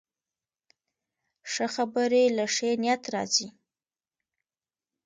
ښه خبرې له ښې نیت راځي